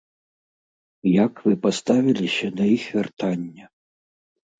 Як вы паставіліся да іх вяртання?